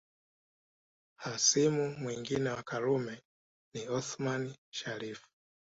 Hasimu mwingine wa Karume ni Othman Sharrif